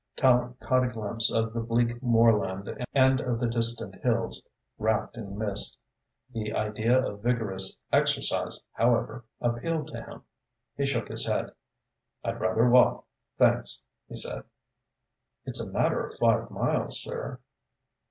Tallente caught a glimpse of the bleak moorland and of the distant hills, wrapped in mist. The idea of vigorous exercise, however, appealed to him. He shook his head. "I'd rather walk, thanks," he said. "It's a matter of five miles, sir."